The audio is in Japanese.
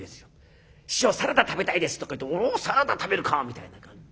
「師匠サラダ食べたいです」とか言うと「おサラダ食べるか」みたいな。